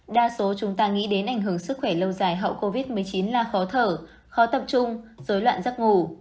đa số chúng ta nghĩ đến ảnh hưởng sức khỏe lâu dài hậu covid một mươi chín là khó thở khó tập trung dối loạn giấc ngủ